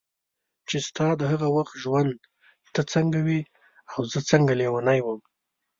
چې ستا د هغه وخت ژوند ته څنګه وې او زه څنګه لیونی وم.